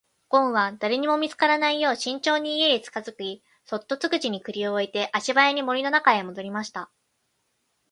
ごんは誰にも見つからないよう慎重に家へ近づき、そっと戸口に栗を置いて足早に森の中へ戻りました。